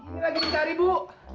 ini lagi bintari bu